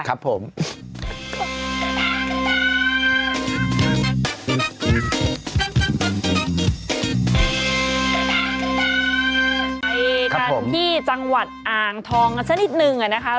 กลับมาที่จังหวัดอ่างทองสักนิดหนึ่งนะคะ